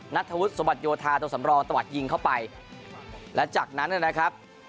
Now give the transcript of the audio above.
นัทธวุฒิสมบัติโยธาตัวสำรองตะวัดยิงเข้าไปและจากนั้นนะครับ